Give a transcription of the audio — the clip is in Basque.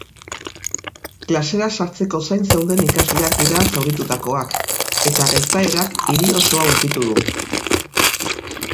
Klasera sartzeko zain zeuden ikasleak dira zauritutakoak eta gertaerak hiri osoa hunkitu du.